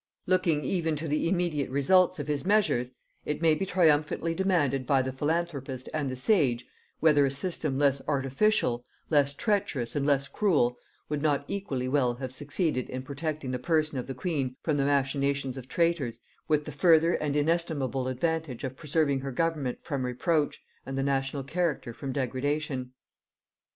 Looking even to the immediate results of his measures, it may triumphantly be demanded by the philanthropist and the sage, whether a system less artificial, less treacherous and less cruel, would not equally well have succeeded in protecting the person of the queen from the machinations of traitors, with the further and inestimable advantage of preserving her government from reproach, and the national character from degradation.